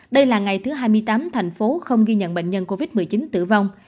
đây là ngày thứ hai mươi tám thành phố không ghi nhận bệnh nhân covid một mươi chín tử vong